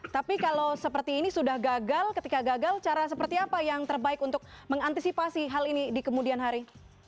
tapi kalau seperti ini sudah gagal ketika gagal cara seperti apa yang terbaik untuk mengantisipasi hal ini di kemudian hari